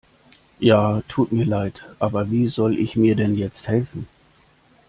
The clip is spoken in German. Ja, tut mir leid, aber wie soll ich mir denn jetzt helfen?